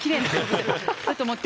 だと思って。